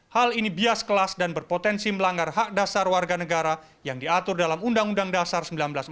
hal ini bias kelas dan berpotensi melanggar hak dasar warga negara yang diatur dalam undang undang dasar seribu sembilan ratus empat puluh